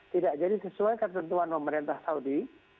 tidak jadi sesuai ketentuan pemerintah saudi